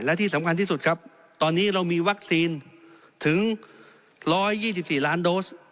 และที่สำคัญที่สุดครับตอนนี้เรามีวัคซีนถึง๑๒๔ล้านโดส